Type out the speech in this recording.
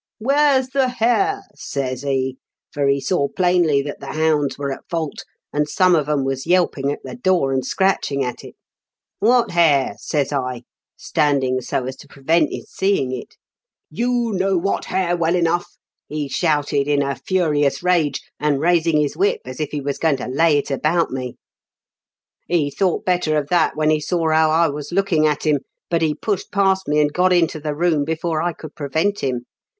"* Where's the hare V says he, for he saw plainly that the hounds were at fault, and some of 'em was yelping at the door, and scratching at it "* What hare V says I, standing so as to prevent his seeing it. "* You know what hare well enough,' he shouted, in a furious rage, and raising his THE CONVIOrS 8T0BY. 127 whip as if he was going to lay it about me. " He thought better of that when he saw how I was looking at him ; but he pushed past me, and got into the room before I could prevent him.